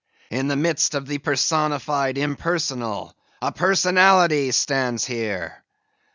In the midst of the personified impersonal, a personality stands here.